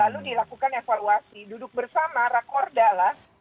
lalu dilakukan evaluasi duduk bersama rakorda lah